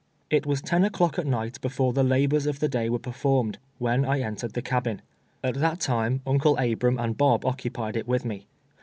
"^ It was ten o'clock at niglit l)efV)re the hiboi s of the day were per formed, Mhen I entered the cabui. At that time Un cle Ahrani and l>ob occuj)ied it with me.